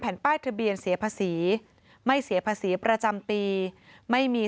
ป้ายทะเบียนเสียภาษีไม่เสียภาษีประจำปีไม่มี